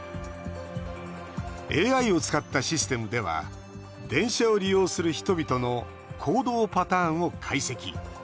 ＡＩを使ったシステムでは電車を利用する人々の行動パターンを解析。